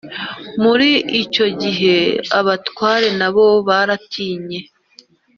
muri icyo gihe, abatware nabo baratinye